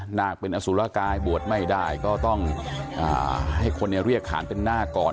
นาคเป็นอสุรกายบวชไม่ได้ก็ต้องให้คนเรียกขานเป็นนาคก่อน